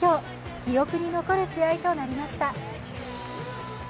記憶に残る試合となりました。